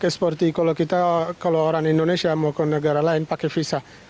seperti kalau orang indonesia mau ke negara lain pakai visa